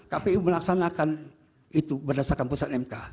kpu melaksanakan itu berdasarkan putusan mk